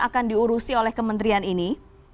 akan diurusi oleh kementerian ini